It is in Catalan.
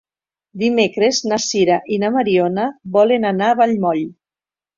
Dimecres na Sira i na Mariona volen anar a Vallmoll.